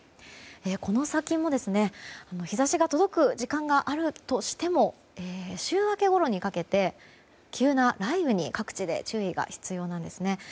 この先も日差しが届く時間があるとしても週明けごろにかけて、急な雷雨に各地で注意が必要なんですね。